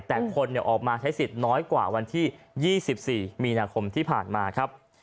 แต่คนออกมาใช้สิทธิ์น้อยกว่าวันที่๒๔มีนาคมที่ผ่านมาครับ